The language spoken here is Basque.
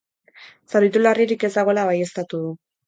Zauritu larririk ez dagoela baieztatu du.